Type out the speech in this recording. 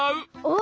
お。